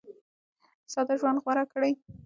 ساده ژوند غوره کړئ.